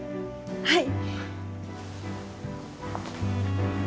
はい！